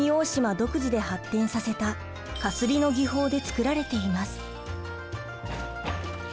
独自で発展させた絣の技法で作られています。